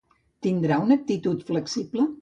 Tindrà una actitud flexible?